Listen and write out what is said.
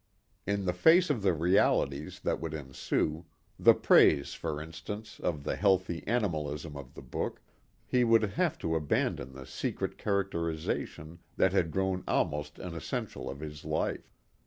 In the face of the realities that would ensue the praise for instance, of the healthy animalism of the book he would have to abandon the secret characterization that had grown almost an essential of his life.